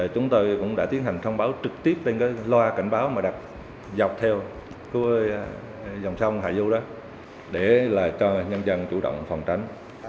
chúng tôi cũng đã tiến hành thông báo trực tiếp lên loa cảnh báo mà đặt dọc theo dòng sông hải dô đó để cho nhân dân chủ động phòng tránh